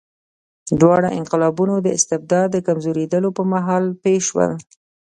دواړه انقلابونه د استبداد د کمزورېدو پر مهال پېښ شول.